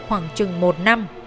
khoảng chừng một năm